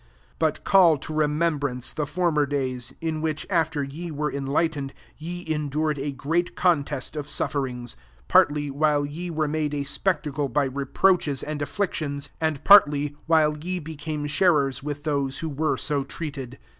32 But call to remembrance the former days, in which, after ye w6re enlightened, ye endur j&d a great contest of sufferings; 33 partly, while ye were made a spectacle, by reproaches i^ afflictions ; and partly, while ye became sharers with those who were so treated.